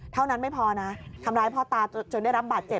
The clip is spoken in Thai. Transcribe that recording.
เท่านั้นไม่พอนะทำร้ายพ่อตาจนได้รับบาดเจ็บ